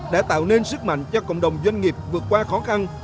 đã tạo nên sức mạnh cho cộng đồng doanh nghiệp vượt qua khó khăn